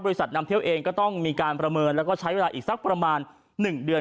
นำเที่ยวเองก็ต้องมีการประเมินแล้วก็ใช้เวลาอีกสักประมาณ๑เดือน